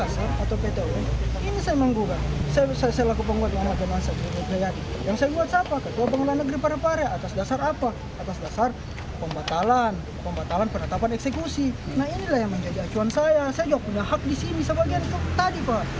saya juga punya hak di sini sebagian tadi pak